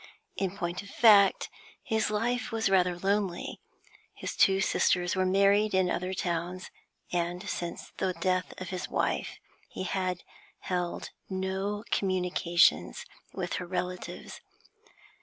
In point of fact, his life was rather lonely; his two sisters were married in other towns, and, since the death of his wife, he had held no communications with her relatives.